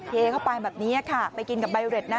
เทเข้าไปแบบนี้ค่ะไปกินกับใบเร็ดนะ